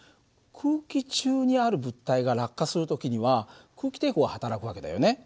空気中にある物体が落下する時には空気抵抗がはたらく訳だよね。